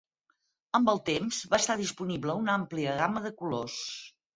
Amb el temps, va estar disponible una àmplia gama de colors.